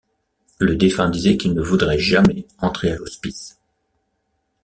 Le défunt disait qu’il ne voudrait jamais entrer à l’hospice.